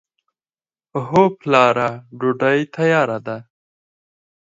هو پلاره! ډوډۍ تیاره ده.